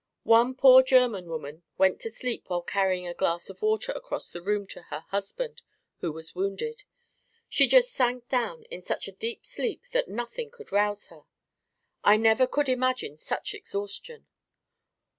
One poor German woman went to sleep while carrying a glass of water across the room to her husband, who was wounded. She just sank down in such a deep sleep that nothing could arouse her. I never could imagine such exhaustion.